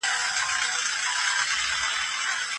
د بشر فطرت ازادي غواړي.